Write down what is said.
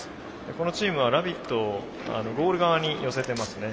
このチームはラビットをゴール側に寄せてますね。